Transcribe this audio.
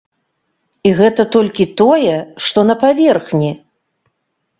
І гэта толькі тое, што на паверхні.